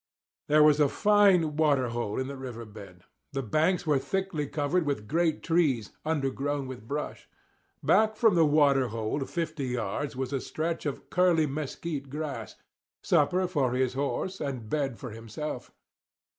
There was a fine water hole in the river bed. The banks were thickly covered with great trees, undergrown with brush. Back from the water hole fifty yards was a stretch of curly mesquite grass—supper for his horse and bed for himself.